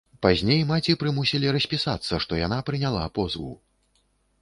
Пазней маці прымусілі распісацца, што яна прыняла позву.